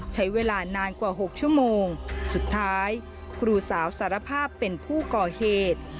ใช้เวลานานกว่า๖ชั่วโมงสุดท้ายครูสาวสารภาพเป็นผู้ก่อเหตุ